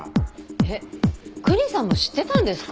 えっクニさんも知ってたんですか？